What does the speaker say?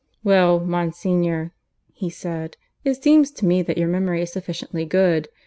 "Well, Monsignor," he said, "it seems to me that your memory is sufficiently good.